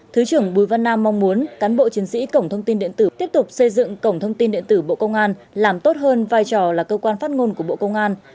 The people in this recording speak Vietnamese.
thứ trưởng bùi văn nam mong muốn cán bộ chiến sĩ cổng thông tin điện tử tiếp tục xây dựng cổng thông tin điện tử bộ công an làm tốt hơn vai trò là cơ quan phát ngôn của bộ công an